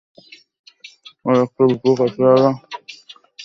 ওর একটা ভিতরকার চেহারা দেখতে পাই কুৎসিত অক্টোপস জন্তুর মতো।